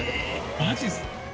マジっすか？